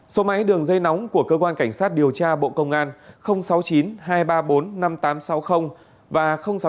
số máy đường dây nóng của cơ quan cảnh sát điều tra bộ công an sáu mươi chín hai trăm ba mươi bốn năm nghìn tám trăm sáu mươi và sáu mươi chín hai trăm ba mươi một một nghìn sáu trăm bảy